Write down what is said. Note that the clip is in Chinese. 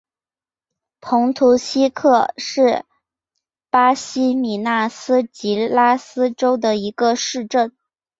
蓬图希克是巴西米纳斯吉拉斯州的一个市镇。